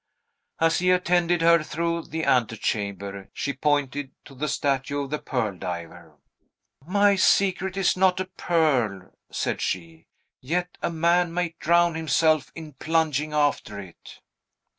As he attended her through the antechamber, she pointed to the statue of the pearl diver. "My secret is not a pearl," said she; "yet a man might drown himself in plunging after it."